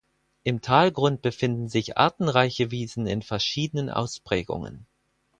Im Talgrund befinden sich artenreiche Wiesen in verschiedenen Ausprägungen.